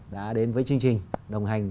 đã đến với chương trình đồng hành